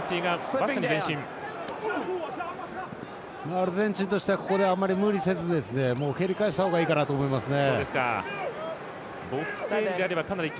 アルゼンチンとしてはあんまり無理せず蹴り返した方がいいかなと思いますね。